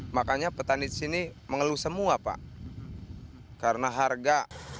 makanya petani di sini mengeluh semua pak karena harga